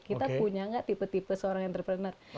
kita punya nggak tipe tipe seorang entrepreneur